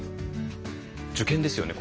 受験ですよね？